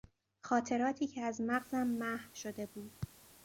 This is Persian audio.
خاطراتی که از مغزم محو شده بود